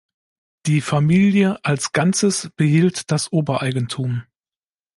Die Familie als Ganzes behielt das Obereigentum.